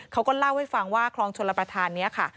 เขาก็เล่าให้ฟังว่าคลองชลประธานนี้ค่ะ